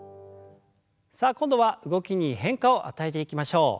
さあ今度は動きに変化を与えていきましょう。